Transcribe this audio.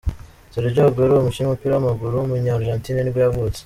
Sergio Agüero, umukinnyi w’umupira w’amaguru w’umunya-Argentine nibwo yavutse.